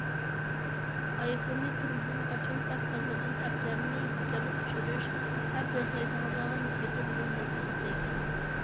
ئايفوننى تۈرمىدىن قاچۇرۇپ ئەپ بازىرىدىن ئەپلەرنى بىكارلىق چۈشۈرۈش، ئەپ ياسايدىغانلارغا نىسبەتەن ھۆرمەتسىزلىك.